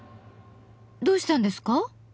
どうしたんですか？